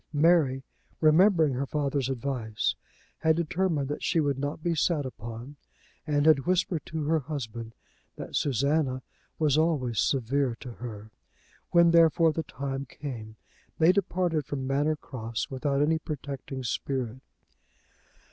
Mary, remembering her father's advice, had determined that she would not be sat upon, and had whispered to her husband that Susanna was always severe to her. When, therefore, the time came, they departed from Manor Cross without any protecting spirit.